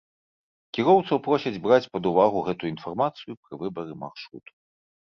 Кіроўцаў просяць браць пад увагу гэтую інфармацыю пры выбары маршруту.